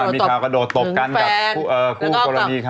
มีข่าวกระโดดตบกันกับคู่กรณี